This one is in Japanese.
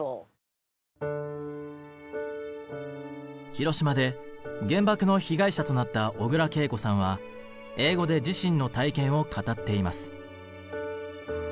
広島で原爆の被害者となった小倉桂子さんは英語で自身の体験を語っています。